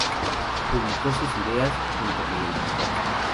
Publicó sus ideas ―junto con el Dr.